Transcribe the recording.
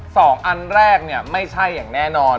สองอันแรกเนี่ยไม่ใช่อย่างแน่นอน